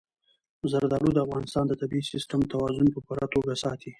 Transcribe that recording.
زردالو د افغانستان د طبعي سیسټم توازن په پوره توګه ساتي.